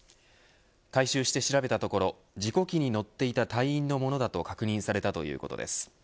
回収して調べたところ事故機に乗っていた隊員のものだと確認されたということです。